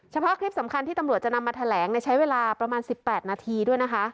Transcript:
เฉพาะคลิปสำคัญที่ตำรวจจะนำมาแถลงใช้เวลาประมาณ๑๘นาทีด้วยนะคะ